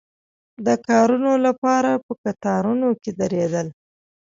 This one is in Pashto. د کارونو لپاره په کتارونو کې درېدل.